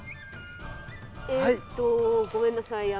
えっと、ごめんなさい。